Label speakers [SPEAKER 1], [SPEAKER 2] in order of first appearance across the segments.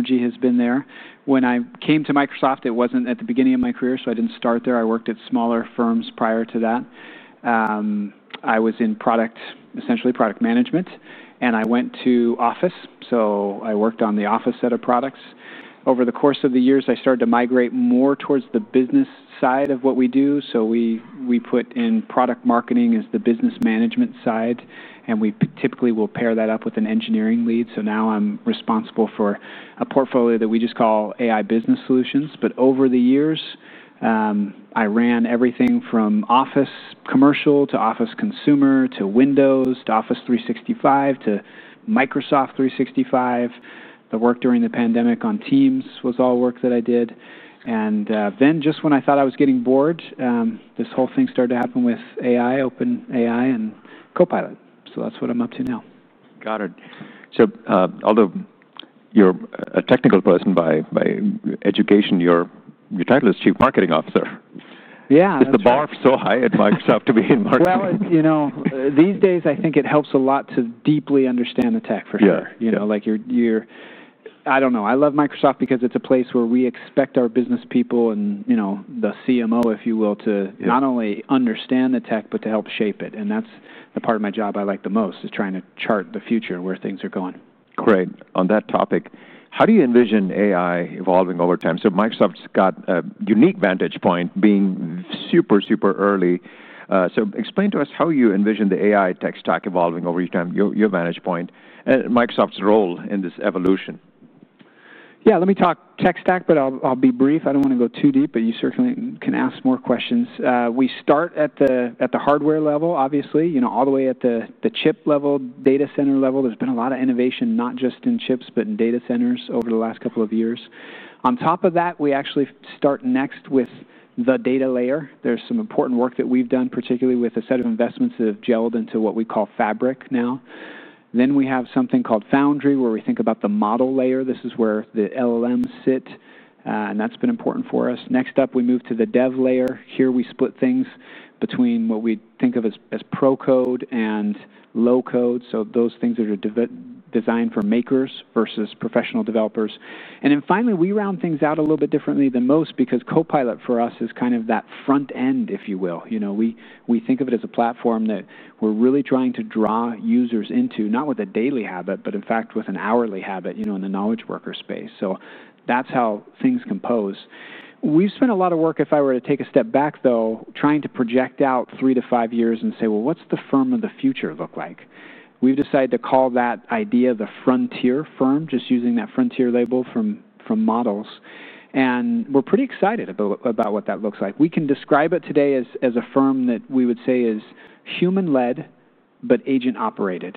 [SPEAKER 1] Energy has been there. When I came to Microsoft, it wasn't at the beginning of my career, so I didn't start there. I worked at smaller firms prior to that. I was in product, essentially product management, and I went to Office, so I worked on the Office set of products. Over the course of the years, I started to migrate more towards the business side of what we do. We put in product marketing as the business management side, and we typically will pair that up with an engineering lead. Now I'm responsible for a portfolio that we just call AI Business Solutions. Over the years, I ran everything from Office commercial to Office consumer to Windows to Office 365 to Microsoft 365. The work during the pandemic on Teams was all work that I did. Just when I thought I was getting bored, this whole thing started to happen with AI, OpenAI, and Copilot. That's what I'm up to now.
[SPEAKER 2] Got it. Although you're a technical person by education, your title is Chief Marketing Officer.
[SPEAKER 1] Yeah.
[SPEAKER 2] Is the bar so high at Microsoft to be in marketing?
[SPEAKER 1] These days I think it helps a lot to deeply understand the tech, for sure.
[SPEAKER 2] Yeah.
[SPEAKER 1] I love Microsoft because it's a place where we expect our business people and, you know, the CMO, if you will, to not only understand the tech, but to help shape it. That's the part of my job I like the most, is trying to chart the future where things are going.
[SPEAKER 2] Great. On that topic, how do you envision AI evolving over time? Microsoft's got a unique vantage point being super, super early. Explain to us how you envision the AI tech stack evolving over your time, your vantage point, and Microsoft's role in this evolution.
[SPEAKER 1] Let me talk tech stack, but I'll be brief. I don't want to go too deep, but you certainly can ask more questions. We start at the hardware level, obviously, all the way at the chip level, data center level. There's been a lot of innovation, not just in chips, but in data centers over the last couple of years. On top of that, we actually start next with the data layer. There's some important work that we've done, particularly with a set of investments that have gelled into what we call Fabric now. Then we have something called Foundry, where we think about the model layer. This is where the LLMs sit, and that's been important for us. Next up, we move to the dev layer. Here we split things between what we think of as pro code and low code, so those things that are designed for makers versus professional developers. Finally, we round things out a little bit differently than most because Copilot for us is kind of that front end, if you will. We think of it as a platform that we're really trying to draw users into, not with a daily habit, but in fact with an hourly habit in the knowledge worker space. That's how things compose. We've spent a lot of work, if I were to take a step back though, trying to project out three to five years and say, what's the firm of the future look like? We've decided to call that idea the frontier firm, just using that frontier label from models. We're pretty excited about what that looks like. We can describe it today as a firm that we would say is human-led but agent-operated.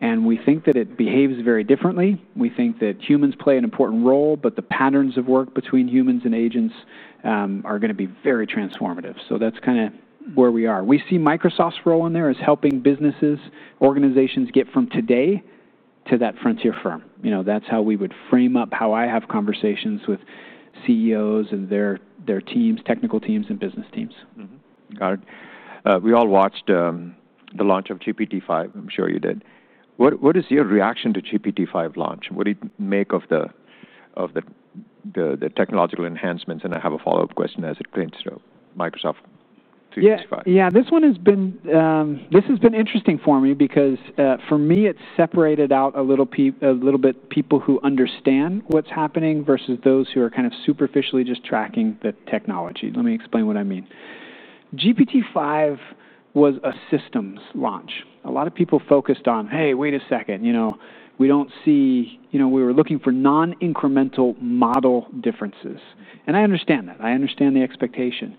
[SPEAKER 1] We think that it behaves very differently. We think that humans play an important role, but the patterns of work between humans and agents are going to be very transformative. That's kind of where we are. We see Microsoft's role in there as helping businesses, organizations get from today to that frontier firm. That's how we would frame up how I have conversations with CEOs and their teams, technical teams and business teams.
[SPEAKER 2] Got it. We all watched the launch of GPT-5. I'm sure you did. What is your reaction to GPT-5 launch? What do you make of the technological enhancements? I have a follow-up question as it prints through Microsoft 365.
[SPEAKER 1] Yeah, this one has been interesting for me because, for me, it's separated out a little bit people who understand what's happening versus those who are kind of superficially just tracking the technology. Let me explain what I mean. GPT-5 was a systems launch. A lot of people focused on, hey, wait a second, you know, we don't see, you know, we were looking for non-incremental model differences. I understand that. I understand the expectation.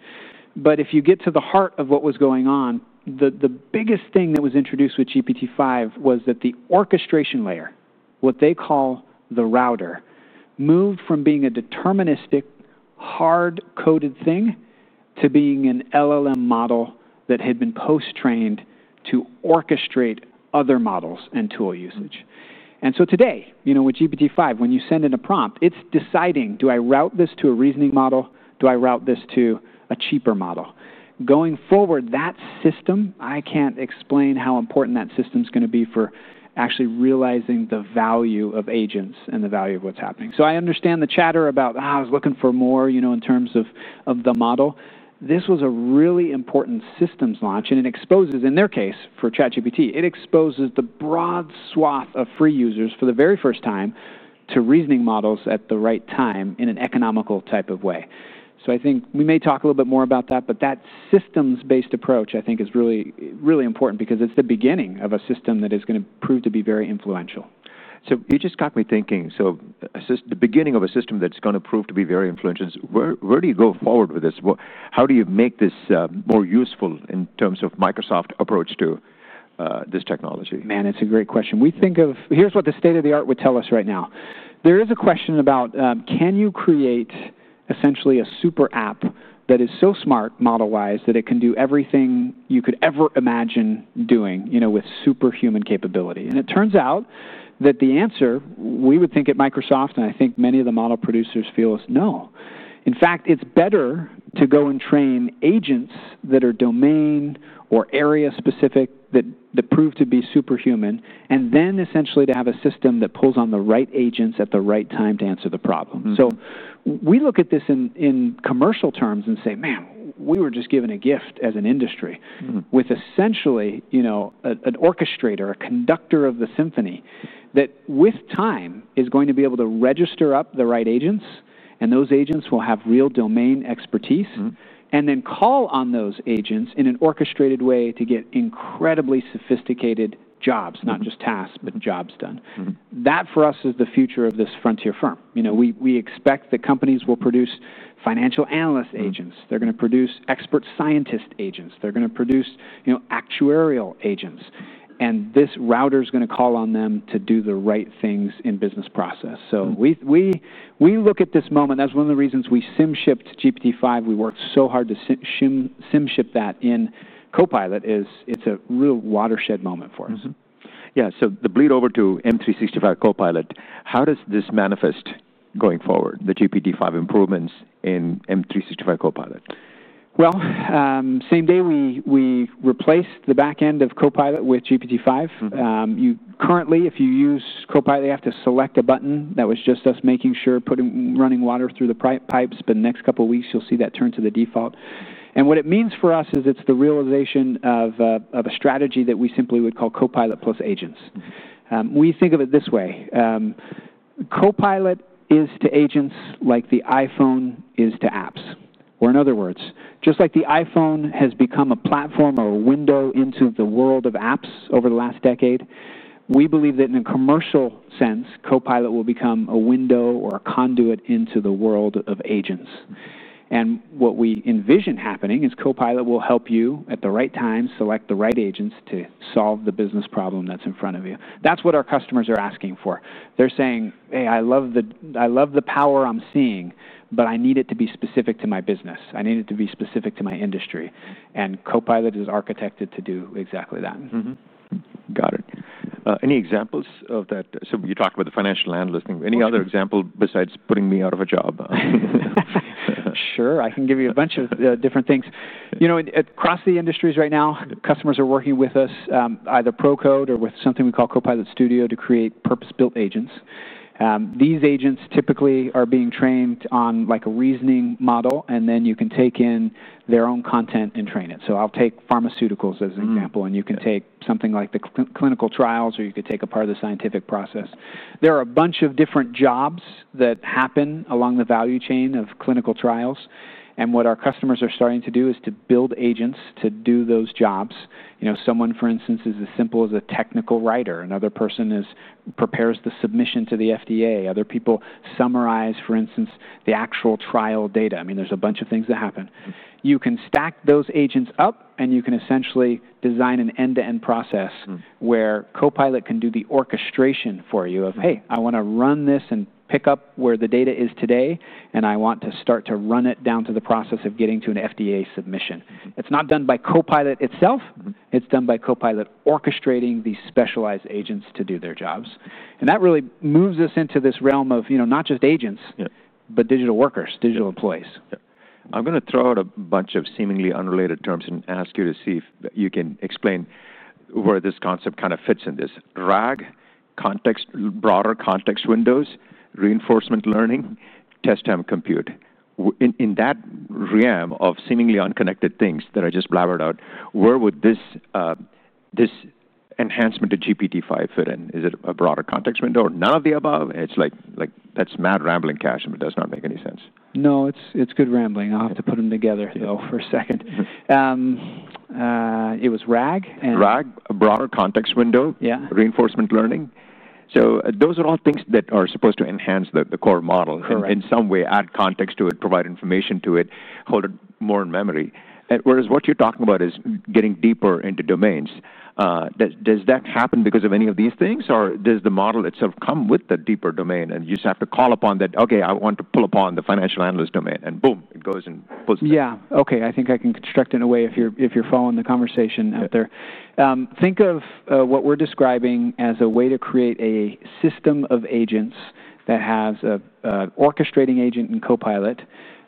[SPEAKER 1] If you get to the heart of what was going on, the biggest thing that was introduced with GPT-5 was that the orchestration layer, what they call the router, moved from being a deterministic, hard-coded thing to being an LLM model that had been post-trained to orchestrate other models and tool usage. Today, with GPT-5, when you send in a prompt, it's deciding, do I route this to a reasoning model? Do I route this to a cheaper model? Going forward, that system, I can't explain how important that system's going to be for actually realizing the value of agents and the value of what's happening. I understand the chatter about, I was looking for more, you know, in terms of the model. This was a really important systems launch, and it exposes, in their case, for ChatGPT, it exposes the broad swath of free users for the very first time to reasoning models at the right time in an economical type of way. I think we may talk a little bit more about that, but that systems-based approach, I think, is really, really important because it's the beginning of a system that is going to prove to be very influential.
[SPEAKER 2] You just got me thinking. A system, the beginning of a system that's going to prove to be very influential. Where do you go forward with this? How do you make this more useful in terms of Microsoft's approach to this technology?
[SPEAKER 1] It's a great question. We think of, here's what the state of the art would tell us right now. There is a question about, can you create essentially a super app that is so smart model-wise that it can do everything you could ever imagine doing, you know, with superhuman capability? It turns out that the answer, we would think at Microsoft, and I think many of the model producers feel, is no. In fact, it's better to go and train agents that are domain or area specific that prove to be superhuman, and then essentially to have a system that pulls on the right agents at the right time to answer the problem.
[SPEAKER 2] Mm-hmm.
[SPEAKER 1] We look at this in commercial terms and say, man, we were just given a gift as an industry.
[SPEAKER 2] Mm-hmm.
[SPEAKER 1] With essentially, you know, an orchestrator, a conductor of the symphony that with time is going to be able to register up the right agents, and those agents will have real domain expertise.
[SPEAKER 2] Mm-hmm.
[SPEAKER 1] You can call on those agents in an orchestrated way to get incredibly sophisticated jobs, not just tasks, but jobs done.
[SPEAKER 2] Mm-hmm.
[SPEAKER 1] That for us is the future of this frontier firm. We expect that companies will produce financial analyst agents, they're going to produce expert scientist agents, they're going to produce actuarial agents, and this router is going to call on them to do the right things in business process.
[SPEAKER 2] Mm-hmm.
[SPEAKER 1] We look at this moment. That's one of the reasons we SIM chip GPT-5. We worked so hard to SIM chip that in Copilot, it's a real watershed moment for us.
[SPEAKER 2] Yeah. The bleed over to M365 Copilot, how does this manifest going forward, the GPT-5 improvements in M365 Copilot?
[SPEAKER 1] The same day we replaced the back end of Copilot with GPT-5.
[SPEAKER 2] Mm-hmm.
[SPEAKER 1] You currently, if you use Copilot, they have to select a button. That was just us making sure, putting running water through the pipes. In the next couple of weeks, you'll see that turned to the default. What it means for us is it's the realization of a strategy that we simply would call Copilot plus agents.
[SPEAKER 2] Mm-hmm.
[SPEAKER 1] We think of it this way. Copilot is to agents like the iPhone is to apps. In other words, just like the iPhone has become a platform or a window into the world of apps over the last decade, we believe that in a commercial sense, Copilot will become a window or a conduit into the world of agents. What we envision happening is Copilot will help you at the right time select the right agents to solve the business problem that's in front of you. That's what our customers are asking for. They're saying, "Hey, I love the power I'm seeing, but I need it to be specific to my business. I need it to be specific to my industry." Copilot is architected to do exactly that.
[SPEAKER 2] Got it. Any examples of that? You talked about the financial analyst thing. Any other example besides putting me out of a job?
[SPEAKER 1] Sure. I can give you a bunch of different things. Across the industries right now, customers are working with us, either pro code or with something we call Copilot Studio to create purpose-built agents. These agents typically are being trained on like a reasoning model, and then you can take in their own content and train it. I'll take pharmaceuticals as an example.
[SPEAKER 2] Mm-hmm.
[SPEAKER 1] You can take something like the clinical trials, or you could take a part of the scientific process. There are a bunch of different jobs that happen along the value chain of clinical trials. What our customers are starting to do is to build agents to do those jobs. Someone, for instance, is as simple as a technical writer. Another person prepares the submission to the FDA. Other people summarize, for instance, the actual trial data. There are a bunch of things that happen. You can stack those agents up, and you can essentially design an end-to-end process.
[SPEAKER 2] Mm-hmm.
[SPEAKER 1] Where Copilot can do the orchestration for you of, "Hey, I want to run this and pick up where the data is today, and I want to start to run it down to the process of getting to an FDA submission." It's not done by Copilot itself.
[SPEAKER 2] Mm-hmm.
[SPEAKER 1] It's done by Copilot orchestrating these specialized agents to do their jobs. That really moves us into this realm of, you know, not just agents.
[SPEAKER 2] Yeah.
[SPEAKER 1] Digital workers, digital employees.
[SPEAKER 2] Yeah. I am going to throw out a bunch of seemingly unrelated terms and ask you to see if you can explain where this concept kind of fits in this RAG, context, broader context windows, reinforcement learning, test time compute. In that realm of seemingly unconnected things that I just blabbered out, where would this, this enhancement to GPT-5 fit in? Is it a broader context window or none of the above? It's like, like that's mad rambling Kash, and it does not make any sense.
[SPEAKER 1] No, it's good rambling. I'll have to put them together though for a second. It was RAG and.
[SPEAKER 2] RAG, a broader context window.
[SPEAKER 1] Yeah.
[SPEAKER 2] Reinforcement learning, those are all things that are supposed to enhance the core model.
[SPEAKER 1] Correct.
[SPEAKER 2] In some way, add context to it, provide information to it, hold it more in memory. Whereas what you're talking about is getting deeper into domains. Does that happen because of any of these things, or does the model itself come with the deeper domain and you just have to call upon that? Okay, I want to pull upon the financial analyst domain and boom, it goes and pulls it.
[SPEAKER 1] Okay. I think I can construct in a way if you're following the conversation out there.
[SPEAKER 2] Yeah.
[SPEAKER 1] Think of what we're describing as a way to create a system of agents that has an orchestrating agent in Copilot,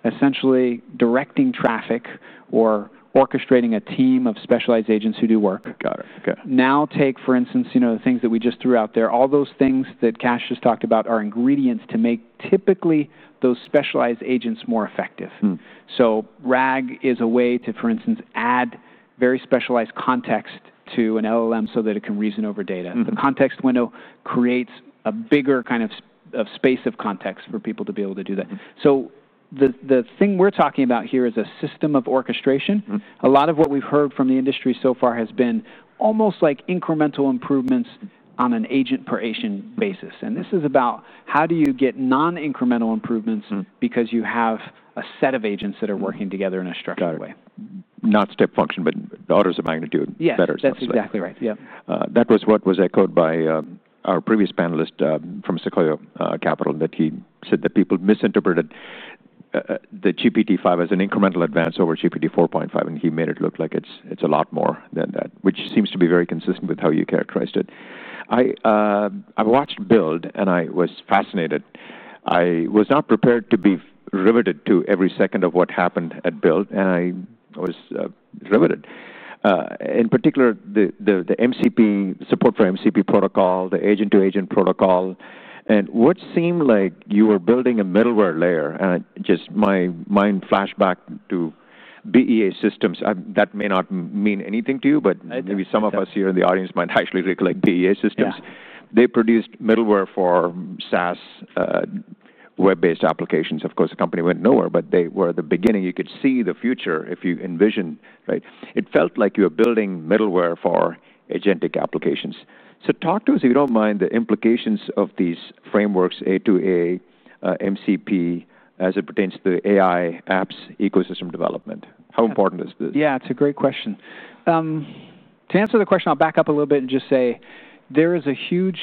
[SPEAKER 1] essentially directing traffic or orchestrating a team of specialized agents who do work.
[SPEAKER 2] Got it. Okay.
[SPEAKER 1] Now take, for instance, the things that we just threw out there. All those things that Kash just talked about are ingredients to make typically those specialized agents more effective.
[SPEAKER 2] Mm-hmm.
[SPEAKER 1] RAG is a way to, for instance, add very specialized context to an LLM so that it can reason over data.
[SPEAKER 2] Mm-hmm.
[SPEAKER 1] The context window creates a bigger kind of space of context for people to be able to do that.
[SPEAKER 2] Mm-hmm.
[SPEAKER 1] The thing we're talking about here is a system of orchestration.
[SPEAKER 2] Mm-hmm.
[SPEAKER 1] A lot of what we've heard from the industry so far has been almost like incremental improvements on an agent-per-agent basis. This is about how do you get non-incremental improvements.
[SPEAKER 2] Mm-hmm.
[SPEAKER 1] Because you have a set of agents that are working together in a structured way.
[SPEAKER 2] Not step function, but orders of magnitude better.
[SPEAKER 1] Yeah, that's exactly right. Yeah.
[SPEAKER 2] That was what was echoed by our previous panelist from Sequoia Capital, and that he said that people misinterpreted the GPT-5 as an incremental advance over GPT-4.5, and he made it look like it's a lot more than that, which seems to be very consistent with how you characterized it. I've watched Build, and I was fascinated. I was not prepared to be riveted to every second of what happened at Build, and I was riveted. In particular, the MCP support for MCP protocol, the agent-to-agent protocol, and what seemed like you were building a middleware layer, and my mind flashed back to BEA Systems. That may not mean anything to you, but maybe some of us here in the audience might actually recollect BEA Systems.
[SPEAKER 1] Yeah.
[SPEAKER 2] They produced middleware for SaaS, web-based applications. Of course, the company went nowhere, but they were the beginning. You could see the future if you envisioned, right? It felt like you were building middleware for agentic applications. Talk to us, if you don't mind, about the implications of these frameworks, A2A, MCP, as it pertains to the AI apps ecosystem development. How important is this?
[SPEAKER 1] Yeah, it's a great question. To answer the question, I'll back up a little bit and just say there is a huge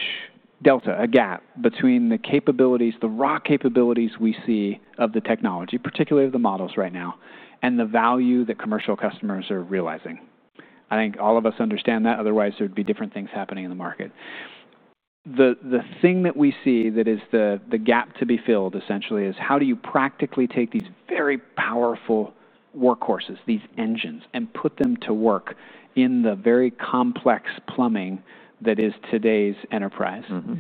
[SPEAKER 1] delta, a gap between the capabilities, the raw capabilities we see of the technology, particularly of the models right now, and the value that commercial customers are realizing. I think all of us understand that. Otherwise, there'd be different things happening in the market. The thing that we see that is the gap to be filled, essentially, is how do you practically take these very powerful workhorses, these engines, and put them to work in the very complex plumbing that is today's enterprise.
[SPEAKER 2] Mm-hmm.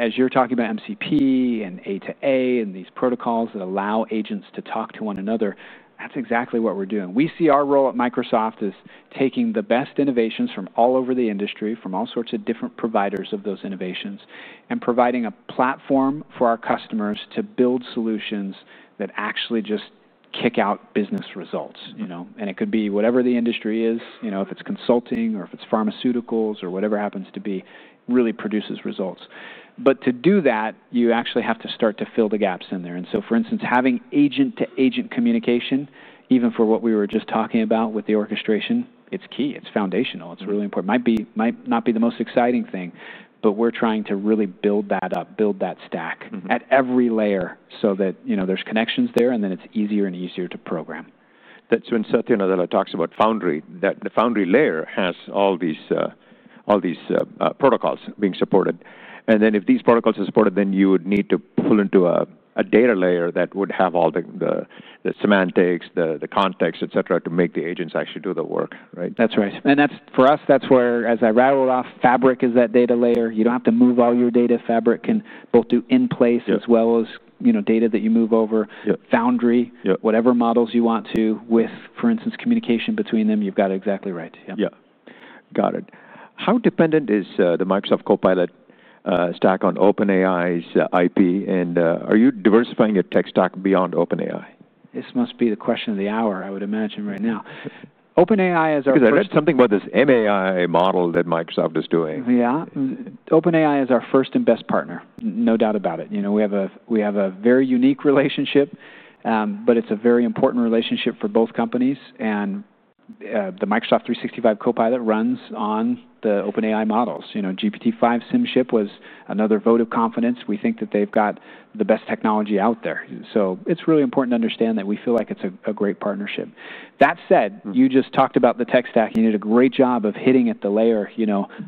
[SPEAKER 1] As you're talking about MCP and A2A and these protocols that allow agents to talk to one another, that's exactly what we're doing. We see our role at Microsoft as taking the best innovations from all over the industry, from all sorts of different providers of those innovations, and providing a platform for our customers to build solutions that actually just kick out business results, you know? It could be whatever the industry is, you know, if it's consulting or if it's pharmaceuticals or whatever happens to be, really produces results. To do that, you actually have to start to fill the gaps in there. For instance, having agent-to-agent communication, even for what we were just talking about with the orchestration, is key. It's foundational. It's really important. Might be, might not be the most exciting thing, but we're trying to really build that up, build that stack.
[SPEAKER 2] Mm-hmm.
[SPEAKER 1] At every layer, so that, you know, there's connections there, and then it's easier and easier to program.
[SPEAKER 2] That's when Satya talks about Foundry, that the Foundry layer has all these protocols being supported. If these protocols are supported, you would need to pull into a data layer that would have all the semantics, the context, et cetera, to make the agents actually do the work, right?
[SPEAKER 1] That's right. For us, that's where, as I rattled off, Fabric is that data layer. You don't have to move all your data. Fabric can both do in-place.
[SPEAKER 2] Yeah.
[SPEAKER 1] As well as, you know, data that you move over.
[SPEAKER 2] Yeah.
[SPEAKER 1] Foundry.
[SPEAKER 2] Yeah.
[SPEAKER 1] Whatever models you want to, with, for instance, communication between them, you've got it exactly right.
[SPEAKER 2] Got it. How dependent is the Microsoft Copilot stack on OpenAI's IP, and are you diversifying your tech stack beyond OpenAI?
[SPEAKER 1] This must be the question of the hour, I would imagine right now. OpenAI is our first.
[SPEAKER 2] Because I read something about this MAI model that Microsoft is doing.
[SPEAKER 1] Yeah. OpenAI is our first and best partner. No doubt about it. We have a very unique relationship, but it's a very important relationship for both companies. The Microsoft 365 Copilot runs on the OpenAI models. GPT-5 SIM chip was another vote of confidence. We think that they've got the best technology out there. It's really important to understand that we feel like it's a great partnership. You just talked about the tech stack. You did a great job of hitting at the layer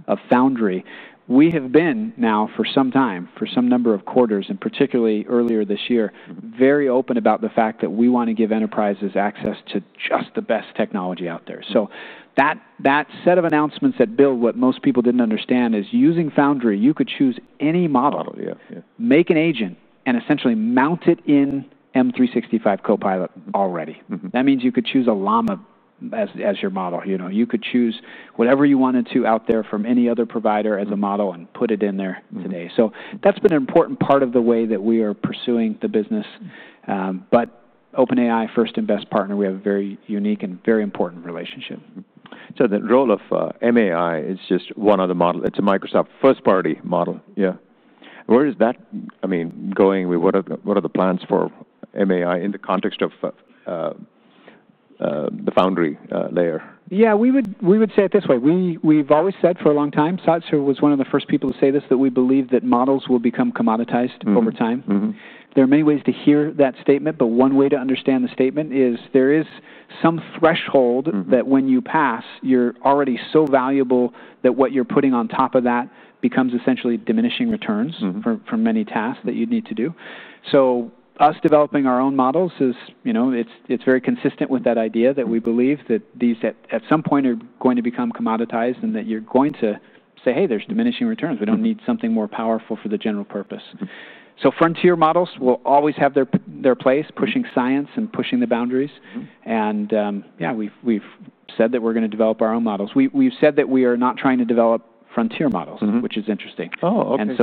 [SPEAKER 1] of Foundry. We have been now for some time, for some number of quarters, and particularly earlier this year, very open about the fact that we want to give enterprises access to just the best technology out there. That set of announcements at Build, what most people didn't understand, is using Foundry, you could choose any model.
[SPEAKER 2] Yeah.
[SPEAKER 1] Make an agent and essentially mount it in M365 Copilot already.
[SPEAKER 2] Mm-hmm.
[SPEAKER 1] That means you could choose Llama as your model. You could choose whatever you wanted out there from any other provider as a model and put it in there today.
[SPEAKER 2] Mm-hmm.
[SPEAKER 1] That's been an important part of the way that we are pursuing the business. OpenAI, first and best partner, we have a very unique and very important relationship.
[SPEAKER 2] The role of MAI is just one of the models. It's a Microsoft first-party model.
[SPEAKER 1] Yeah.
[SPEAKER 2] Where is that, I mean, going? What are the plans for MAI in the context of the Foundry layer?
[SPEAKER 1] Yeah, we would say it this way. We've always said for a long time, Satya was one of the first people to say this, that we believe that models will become commoditized over time.
[SPEAKER 2] Mm-hmm.
[SPEAKER 1] There are many ways to hear that statement, but one way to understand the statement is there is some threshold that when you pass, you're already so valuable that what you're putting on top of that becomes essentially diminishing returns for many tasks that you'd need to do. Us developing our own models is, you know, it's very consistent with that idea that we believe that these at some point are going to become commoditized and that you're going to say, "Hey, there's diminishing returns. We don't need something more powerful for the general purpose.
[SPEAKER 2] Mm-hmm.
[SPEAKER 1] Frontier models will always have their place, pushing science and pushing the boundaries.
[SPEAKER 2] Mm-hmm.
[SPEAKER 1] Yeah, we've said that we're going to develop our own models. We've said that we are not trying to develop frontier models.
[SPEAKER 2] Mm-hmm.
[SPEAKER 1] Which is interesting.
[SPEAKER 2] Oh, okay.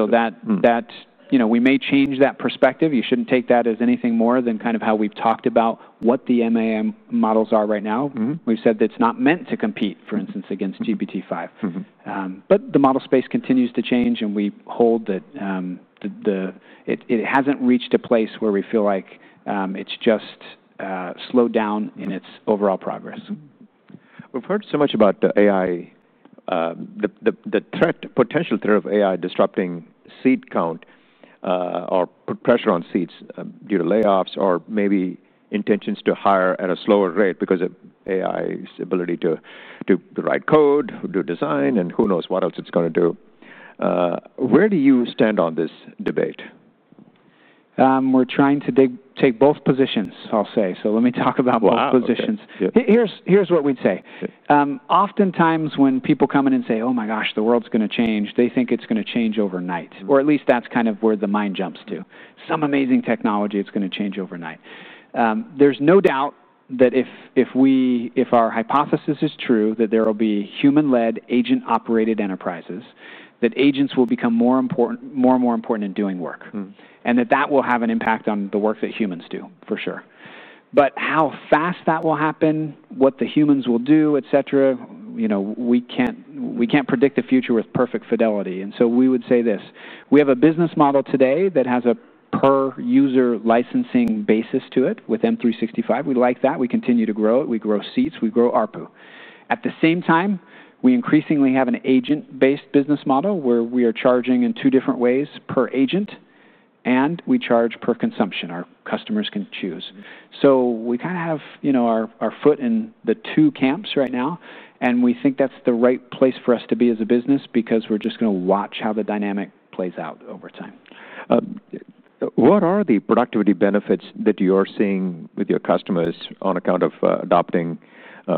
[SPEAKER 1] You know, we may change that perspective. You shouldn't take that as anything more than kind of how we've talked about what the MAI models are right now.
[SPEAKER 2] Mm-hmm.
[SPEAKER 1] We've said that it's not meant to compete, for instance, against GPT-5.
[SPEAKER 2] Mm-hmm.
[SPEAKER 1] The model space continues to change, and it hasn't reached a place where we feel like it's just slowed down in its overall progress.
[SPEAKER 2] We've heard so much about the AI, the potential threat of AI disrupting seat count or put pressure on seats due to layoffs or maybe intentions to hire at a slower rate because of AI's ability to write code, do design, and who knows what else it's going to do. Where do you stand on this debate?
[SPEAKER 1] We're trying to take both positions, I'll say. Let me talk about both positions.
[SPEAKER 2] Yeah.
[SPEAKER 1] Here's what we'd say. Oftentimes when people come in and say, "Oh my gosh, the world's going to change," they think it's going to change overnight.
[SPEAKER 2] Mm-hmm.
[SPEAKER 1] At least that's kind of where the mind jumps to. Some amazing technology, it's going to change overnight. There's no doubt that if our hypothesis is true, that there will be human-led, agent-operated enterprises, that agents will become more important, more and more important in doing work.
[SPEAKER 2] Mm-hmm.
[SPEAKER 1] That will have an impact on the work that humans do, for sure. How fast that will happen, what the humans will do, et cetera, you know, we can't predict a future with perfect fidelity. We would say this. We have a business model today that has a per-user licensing basis to it with M365. We like that. We continue to grow it. We grow seats. We grow ARPU. At the same time, we increasingly have an agent-based business model where we are charging in two different ways, per agent, and we charge per consumption. Our customers can choose.
[SPEAKER 2] Mm-hmm.
[SPEAKER 1] We kind of have, you know, our foot in the two camps right now, and we think that's the right place for us to be as a business because we're just going to watch how the dynamic plays out over time.
[SPEAKER 2] What are the productivity benefits that you're seeing with your customers on account of adopting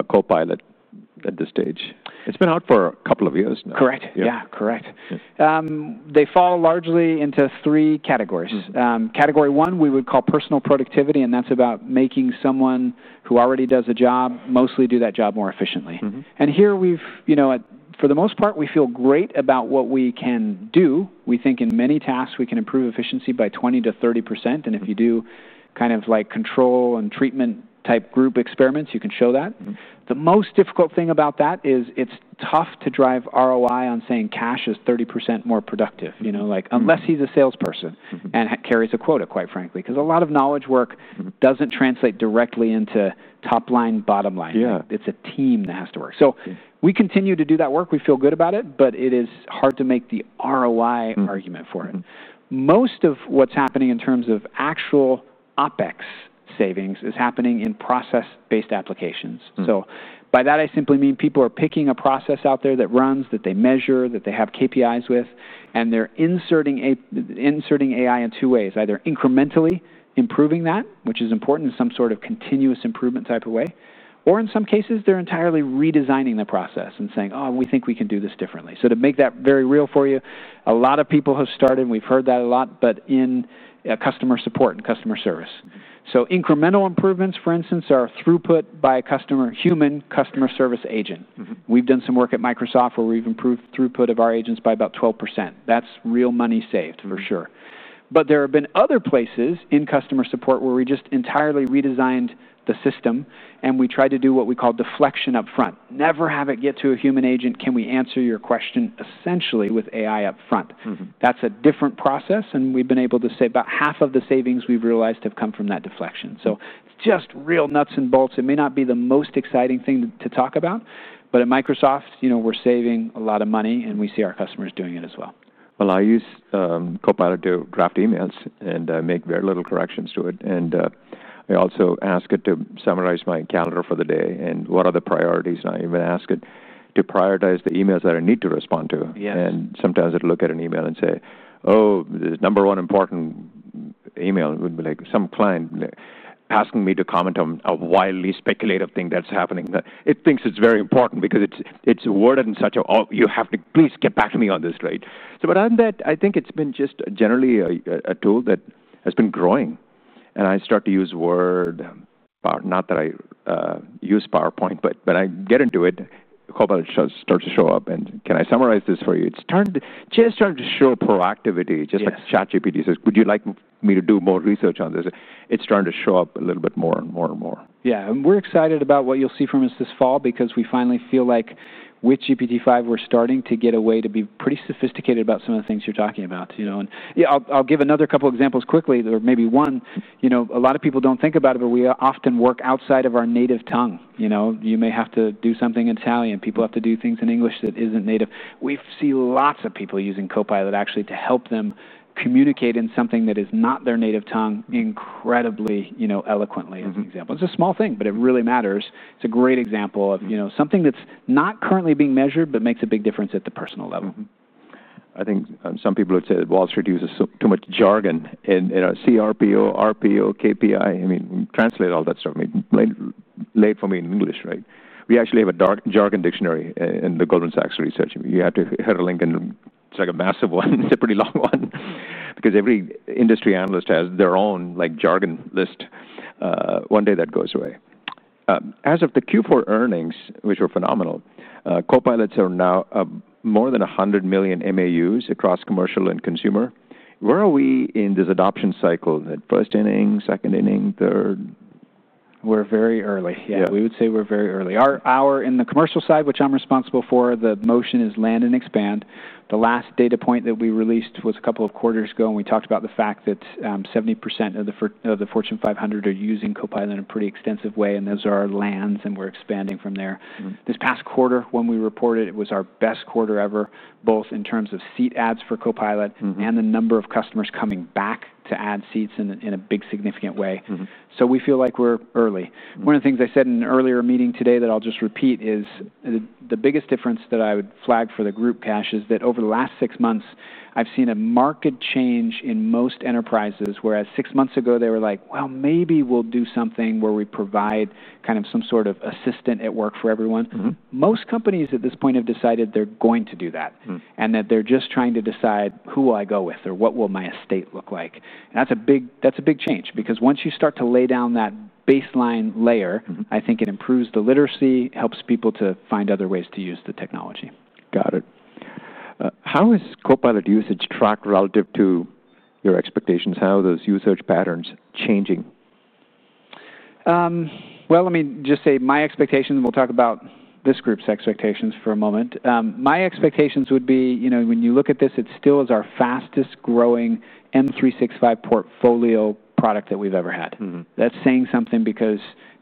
[SPEAKER 2] Copilot at this stage? It's been out for a couple of years now.
[SPEAKER 1] Correct. Yeah, correct. They fall largely into three categories. Category one, we would call personal productivity, and that's about making someone who already does a job mostly do that job more efficiently.
[SPEAKER 2] Mm-hmm.
[SPEAKER 1] For the most part, we feel great about what we can do. We think in many tasks we can improve efficiency by 20%-30%. If you do kind of like control and treatment type group experiments, you can show that.
[SPEAKER 2] Mm-hmm.
[SPEAKER 1] The most difficult thing about that is it's tough to drive ROI on saying Kash is 30% more productive, you know, like unless he's a salesperson and carries a quota, quite frankly, because a lot of knowledge work doesn't translate directly into top line, bottom line.
[SPEAKER 2] Yeah.
[SPEAKER 1] It's a team that has to work. We continue to do that work. We feel good about it, but it is hard to make the ROI argument for it.
[SPEAKER 2] Mm-hmm.
[SPEAKER 1] Most of what's happening in terms of actual OpEx savings is happening in process-based applications.
[SPEAKER 2] Mm-hmm.
[SPEAKER 1] By that, I simply mean people are picking a process out there that runs, that they measure, that they have KPIs with, and they're inserting AI in two ways, either incrementally improving that, which is important in some sort of continuous improvement type of way, or in some cases, they're entirely redesigning the process and saying, "Oh, we think we can do this differently." To make that very real for you, a lot of people have started, and we've heard that a lot, in customer support and customer service. Incremental improvements, for instance, are throughput by a customer human, customer service agent.
[SPEAKER 2] Mm-hmm.
[SPEAKER 1] We've done some work at Microsoft where we've improved throughput of our agents by about 12%. That's real money saved for sure. There have been other places in customer support where we just entirely redesigned the system, and we tried to do what we call deflection upfront. Never have it get to a human agent. Can we answer your question essentially with AI upfront?
[SPEAKER 2] Mm-hmm.
[SPEAKER 1] That's a different process, and we've been able to say about half of the savings we've realized have come from that deflection. It's just real nuts and bolts. It may not be the most exciting thing to talk about, but at Microsoft, you know, we're saving a lot of money, and we see our customers doing it as well.
[SPEAKER 2] I use Copilot to draft emails, and I make very little corrections to it. I also ask it to summarize my calendar for the day and what are the priorities. I even ask it to prioritize the emails that I need to respond to.
[SPEAKER 1] Yes.
[SPEAKER 2] Sometimes it'll look at an email and say, "Oh, this number one important email would be like some client asking me to comment on a wildly speculative thing that's happening." It thinks it's very important because it's worded in such a, "Oh, you have to please get back to me on this," right? Other than that, I think it's been just generally a tool that has been growing. I start to use Word, not that I use PowerPoint, but when I get into it, Copilot starts to show up and, "Can I summarize this for you?" It's turned to show proactivity, just like ChatGPT says, "Would you like me to do more research on this?" It's starting to show up a little bit more and more and more.
[SPEAKER 1] Yeah, we're excited about what you'll see from us this fall because we finally feel like with GPT-5, we're starting to get a way to be pretty sophisticated about some of the things you're talking about, you know? I'll give another couple of examples quickly, or maybe one. A lot of people don't think about it, but we often work outside of our native tongue. You may have to do something in Italian. People have to do things in English that isn't native. We see lots of people using Copilot, actually, to help them communicate in something that is not their native tongue incredibly, you know, eloquently.
[SPEAKER 2] Mm-hmm.
[SPEAKER 1] As an example, it's a small thing, but it really matters. It's a great example of something that's not currently being measured, but makes a big difference at the personal level.
[SPEAKER 2] I think some people would say that Wall Street uses too much jargon in our CRPO, RPO, KPI. I mean, translate all that stuff. I mean, write for me in English, right? We actually have a jargon dictionary in the Goldman Sachs research. You have to hit a link and check a massive one. It's a pretty long one because every industry analyst has their own, like, jargon list. One day that goes away. As of the Q4 earnings, which were phenomenal, Copilots are now more than 100 million MAUs across commercial and consumer. Where are we in this adoption cycle? First inning, second inning, third?
[SPEAKER 1] We're very early.
[SPEAKER 2] Yeah.
[SPEAKER 1] Yeah, we would say we're very early. In the commercial side, which I'm responsible for, the motion is land and expand. The last data point that we released was a couple of quarters ago, and we talked about the fact that 70% of the Fortune 500 are using Copilot in a pretty extensive way, and those are our lands, and we're expanding from there.
[SPEAKER 2] Mm-hmm.
[SPEAKER 1] This past quarter, when we reported, it was our best quarter ever, both in terms of seat adds for Copilot.
[SPEAKER 2] Mm-hmm.
[SPEAKER 1] The number of customers coming back to add seats in a big significant way.
[SPEAKER 2] Mm-hmm.
[SPEAKER 1] We feel like we're early.
[SPEAKER 2] Mm-hmm.
[SPEAKER 1] One of the things I said in an earlier meeting today that I'll just repeat is the biggest difference that I would flag for the group, Kash, is that over the last six months, I've seen a marked change in most enterprises. Six months ago, they were like, "Well, maybe we'll do something where we provide kind of some sort of assistant at work for everyone.
[SPEAKER 2] Mm-hmm.
[SPEAKER 1] Most companies at this point have decided they're going to do that.
[SPEAKER 2] Mm-hmm.
[SPEAKER 1] They're just trying to decide who will I go with or what will my estate look like. That's a big change because once you start to lay down that baseline layer.
[SPEAKER 2] Mm-hmm.
[SPEAKER 1] I think it improves the literacy, helps people to find other ways to use the technology.
[SPEAKER 2] Got it. How is Copilot usage tracked relative to your expectations? How are those usage patterns changing?
[SPEAKER 1] Let me just say my expectations. We'll talk about this group's expectations for a moment. My expectations would be, you know, when you look at this, it still is our fastest growing M365 portfolio product that we've ever had.
[SPEAKER 2] Mm-hmm.
[SPEAKER 1] That's saying something because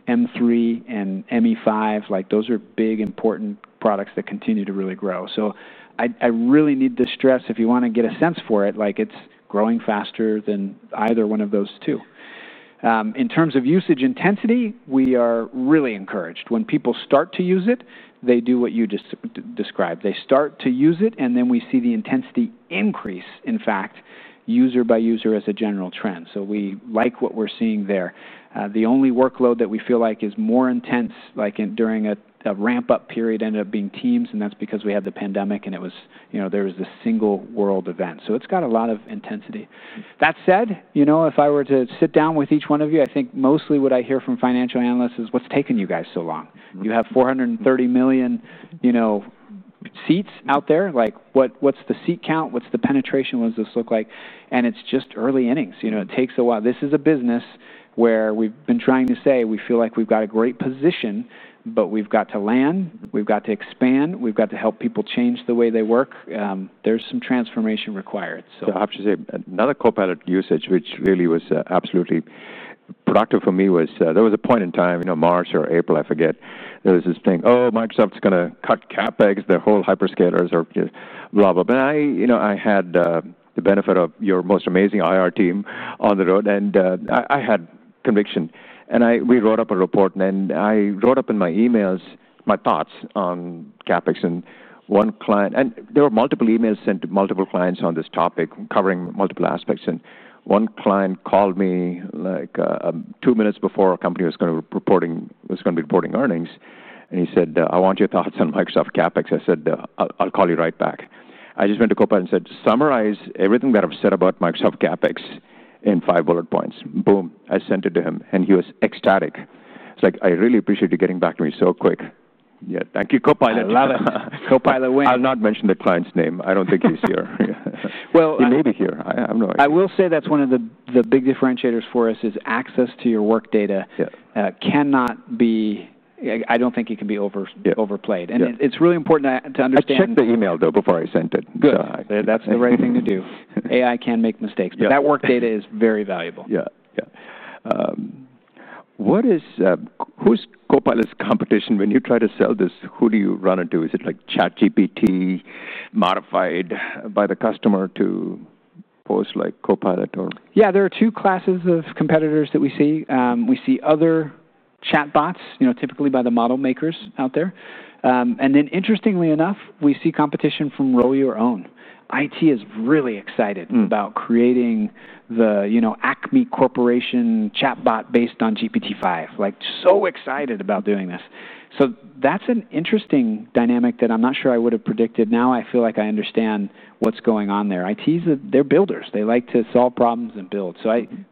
[SPEAKER 1] M3 and ME5, like, those are big, important products that continue to really grow. I really need to stress, if you want to get a sense for it, like, it's growing faster than either one of those two. In terms of usage intensity, we are really encouraged. When people start to use it, they do what you just described. They start to use it, and then we see the intensity increase, in fact, user by user as a general trend. We like what we're seeing there. The only workload that we feel like is more intense, like during a ramp-up period, ended up being Teams, and that's because we had the pandemic, and it was, you know, there was this single world event. It's got a lot of intensity. That said, if I were to sit down with each one of you, I think mostly what I hear from financial analysts is, "What's taken you guys so long?
[SPEAKER 2] Mm-hmm.
[SPEAKER 1] You have 430 million, you know, seats out there. Like, what's the seat count? What's the penetration? What does this look like? It's just early innings. It takes a while. This is a business where we've been trying to say we feel like we've got a great position, but we've got to land. We've got to expand. We've got to help people change the way they work. There's some transformation required.
[SPEAKER 2] I have to say another Copilot usage, which really was absolutely productive for me, was there was a point in time, you know, March or April, I forget, there was this thing, "Oh, Microsoft's going to cut CapEx, the whole hyperscalers," or blah, blah, blah. I had the benefit of your most amazing IR team on the road, and I had conviction. We wrote up a report, and then I wrote up in my emails my thoughts on CapEx. One client, and there were multiple emails sent to multiple clients on this topic covering multiple aspects. One client called me like two minutes before our company was going to be reporting earnings, and he said, "I want your thoughts on Microsoft CapEx." I said, "I'll call you right back." I just went to Copilot and said, "Summarize everything that I've said about Microsoft CapEx in five bullet points." Boom. I sent it to him, and he was ecstatic. He's like, "I really appreciate you getting back to me so quick." Yeah. Thank you, Copilot.
[SPEAKER 1] Copilot win.
[SPEAKER 2] I'll not mention the client's name. I don't think he's here.
[SPEAKER 1] Well.
[SPEAKER 2] He may be here. I have no idea.
[SPEAKER 1] I will say that's one of the big differentiators for us, is access to your work data.
[SPEAKER 2] Yeah.
[SPEAKER 1] I don't think it can be overplayed.
[SPEAKER 2] Yeah.
[SPEAKER 1] It is really important to understand.
[SPEAKER 2] I checked the email, though, before I sent it.
[SPEAKER 1] Good. That's the right thing to do. AI can make mistakes.
[SPEAKER 2] Yeah.
[SPEAKER 1] That work data is very valuable.
[SPEAKER 2] Yeah. What is, who's Copilot's competition? When you try to sell this, who do you run into? Is it like ChatGPT modified by the customer to post like Copilot?
[SPEAKER 1] Yeah, there are two classes of competitors that we see. We see other chatbots, you know, typically by the model makers out there. Interestingly enough, we see competition from Roll Your Own. IT is really excited about creating the ACME Corporation chatbot based on GPT-5. Like, so excited about doing this. That's an interesting dynamic that I'm not sure I would have predicted. Now I feel like I understand what's going on there. IT is that they're builders. They like to solve problems and build.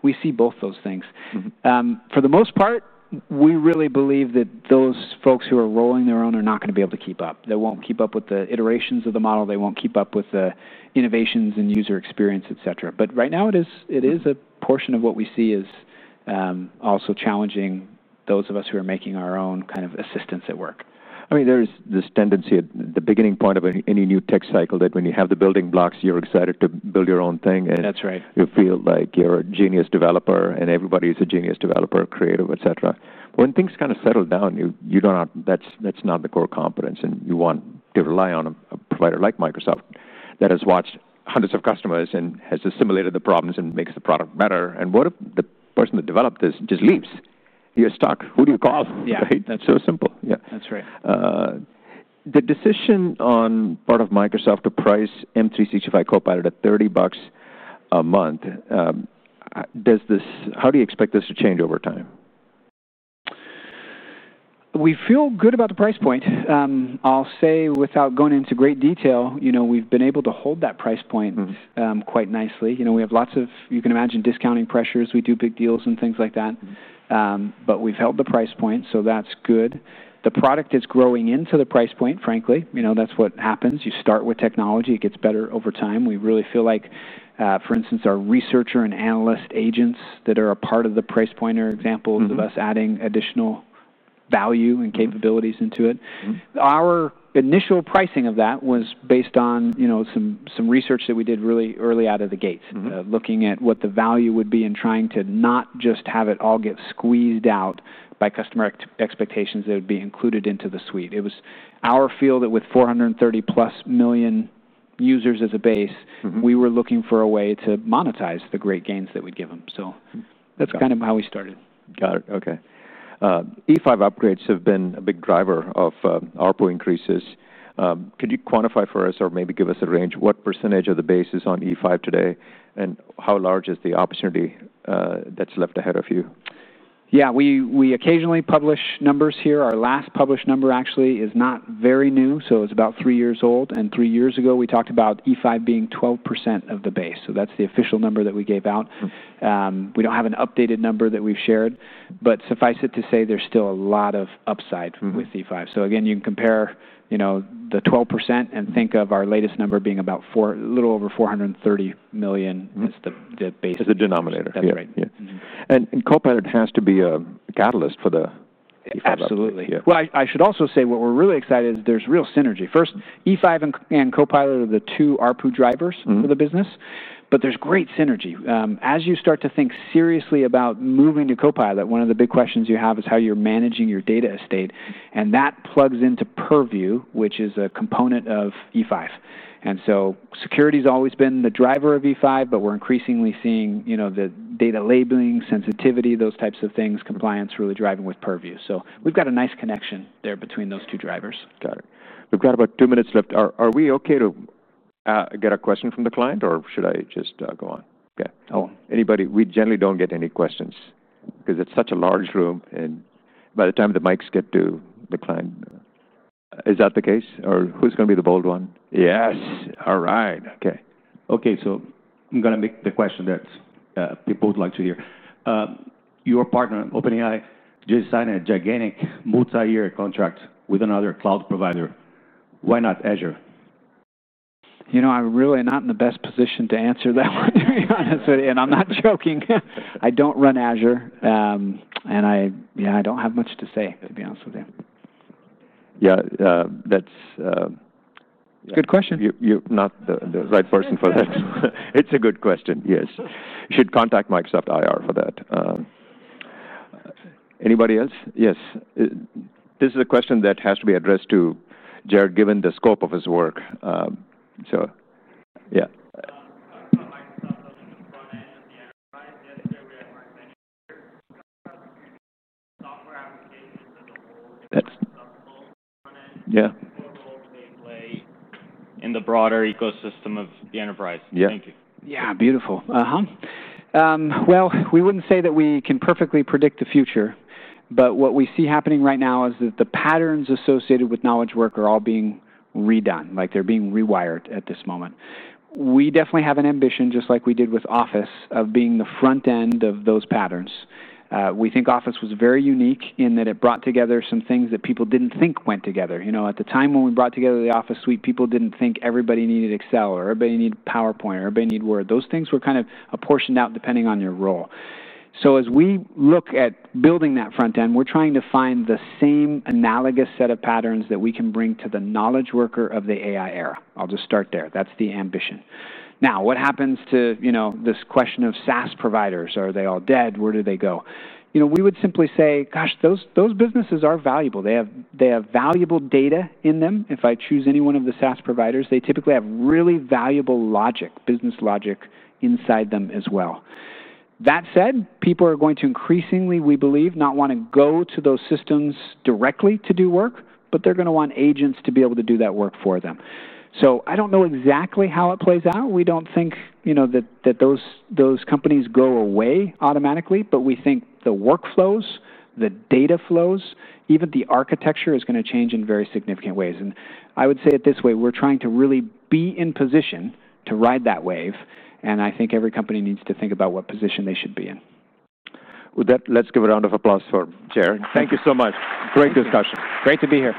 [SPEAKER 1] We see both those things.
[SPEAKER 2] Mm-hmm.
[SPEAKER 1] For the most part, we really believe that those folks who are rolling their own are not going to be able to keep up. They won't keep up with the iterations of the model. They won't keep up with the innovations and user experience, etc. Right now, it is a portion of what we see as also challenging those of us who are making our own kind of assistants at work.
[SPEAKER 2] I mean, there's this tendency at the beginning point of any new tech cycle that when you have the building blocks, you're excited to build your own thing.
[SPEAKER 1] That's right.
[SPEAKER 2] You feel like you're a genius developer, and everybody is a genius developer, creative, et cetera. When things kind of settle down, you don't have, that's not the core competence, and you want to rely on a provider like Microsoft that has watched hundreds of customers and has assimilated the problems and makes the product better. If the person that developed this just leaves, you're stuck. Who do you call?
[SPEAKER 1] Yeah.
[SPEAKER 2] Right? That's so simple. Yeah.
[SPEAKER 1] That's right.
[SPEAKER 2] The decision on part of Microsoft to price M365 Copilot at $30 a month, does this, how do you expect this to change over time?
[SPEAKER 1] We feel good about the price point. I'll say, without going into great detail, we've been able to hold that price point quite nicely. We have lots of, you can imagine, discounting pressures. We do big deals and things like that. We've held the price point, so that's good. The product is growing into the price point, frankly. That's what happens. You start with technology. It gets better over time. We really feel like, for instance, our researcher and analyst agents that are a part of the price point are examples of us adding additional value and capabilities into it.
[SPEAKER 2] Mm-hmm.
[SPEAKER 1] Our initial pricing of that was based on some research that we did really early out of the gates.
[SPEAKER 2] Mm-hmm.
[SPEAKER 1] Looking at what the value would be and trying to not just have it all get squeezed out by customer expectations that would be included into the suite, it was our feel that with 430+ million users as a base.
[SPEAKER 2] Mm-hmm.
[SPEAKER 1] We were looking for a way to monetize the great gains that we'd give them. That's kind of how we started.
[SPEAKER 2] Got it. Okay. E5 upgrades have been a big driver of ARPU increases. Could you quantify for us or maybe give us a range? What percentage of the base is on E5 today, and how large is the opportunity that's left ahead of you?
[SPEAKER 1] Yeah, we occasionally publish numbers here. Our last published number actually is not very new, it's about three years old. Three years ago, we talked about E5 being 12% of the base. That's the official number that we gave out.
[SPEAKER 2] Mm-hmm.
[SPEAKER 1] We don't have an updated number that we've shared, but suffice it to say there's still a lot of upside with E5.
[SPEAKER 2] Mm-hmm.
[SPEAKER 1] You can compare the 12% and think of our latest number being about a little over 430 million.
[SPEAKER 2] Mm-hmm.
[SPEAKER 1] Is the base.
[SPEAKER 2] Is the denominator.
[SPEAKER 1] That's right.
[SPEAKER 2] Copilot has to be a catalyst for the E5.
[SPEAKER 1] Absolutely.
[SPEAKER 2] Yeah.
[SPEAKER 1] I should also say what we're really excited is there's real synergy. First, E5 and Copilot are the two ARPU drivers for the business.
[SPEAKER 2] Mm-hmm.
[SPEAKER 1] There is great synergy. As you start to think seriously about moving to Copilot, one of the big questions you have is how you're managing your data estate. That plugs into Purview, which is a component of E5. Security has always been the driver of E5, but we're increasingly seeing the data labeling, sensitivity, those types of things, compliance really driving with Purview. We've got a nice connection there between those two drivers.
[SPEAKER 2] Got it. We've got about two minutes left. Are we okay to get a question from the client, or should I just go on? Yeah.
[SPEAKER 1] Oh.
[SPEAKER 2] Anybody, we generally don't get any questions because it's such a large room, and by the time the mics get to the client, is that the case, or who's going to be the bold one? Yes. All right. Okay. I'm going to make the question that people would like to hear. Your partner, OpenAI, just signed a gigantic multi-year contract with another cloud provider. Why not Azure?
[SPEAKER 1] I'm really not in the best position to answer that one, to be honest with you. I'm not joking. I don't run Azure, and I don't have much to say, to be honest with you.
[SPEAKER 2] Yeah. That's.
[SPEAKER 1] Good question.
[SPEAKER 2] You're not the right person for that. It's a good question. Yes, you should contact Microsoft IR for that. Anybody else? Yes, this is a question that has to be addressed to Jared, given the scope of his work.
[SPEAKER 3] Software applications.
[SPEAKER 2] That's. Yeah. In the broader ecosystem of the enterprise. Yeah.
[SPEAKER 3] Thank you.
[SPEAKER 1] Yeah. Beautiful. We wouldn't say that we can perfectly predict the future, but what we see happening right now is that the patterns associated with knowledge work are all being redone. They're being rewired at this moment. We definitely have an ambition, just like we did with Office, of being the front end of those patterns. We think Office was very unique in that it brought together some things that people didn't think went together. At the time when we brought together the Office suite, people didn't think everybody needed Excel or everybody needed PowerPoint or everybody needed Word. Those things were kind of portioned out depending on your role. As we look at building that front end, we're trying to find the same analogous set of patterns that we can bring to the knowledge worker of the AI era. I'll just start there. That's the ambition. What happens to this question of SaaS providers? Are they all dead? Where do they go? We would simply say, gosh, those businesses are valuable. They have valuable data in them. If I choose any one of the SaaS providers, they typically have really valuable logic, business logic inside them as well. That said, people are going to increasingly, we believe, not want to go to those systems directly to do work, but they're going to want agents to be able to do that work for them. I don't know exactly how it plays out. We don't think that those companies go away automatically, but we think the workflows, the data flows, even the architecture is going to change in very significant ways. I would say it this way, we're trying to really be in position to ride that wave, and I think every company needs to think about what position they should be in.
[SPEAKER 2] Let's give a round of applause for Jared. Thank you so much. Great discussion.
[SPEAKER 1] Great to be here.